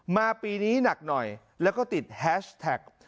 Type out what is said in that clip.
ปีนี้หนักหน่อยแล้วก็ติดแฮชแท็ก